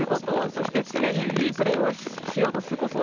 そして常にいいプレーをしようとすること。